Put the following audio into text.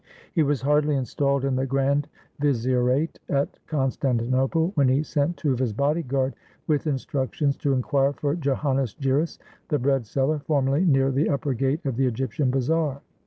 He was hardly installed in the grand vizierate at Constantinople, when he sent two of his bodyguard, with instructions to inquire for Joannes Giras the bread seller, formerly near the upper gate of the Egyptian Bazaar.